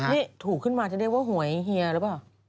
นี่ถูกขึ้นมาจะเรียกว่าหวยเฮียหรือเปล่า